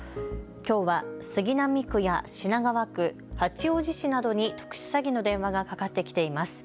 きょうは杉並区や品川区、八王子市などに特殊詐欺の電話がかかってきています。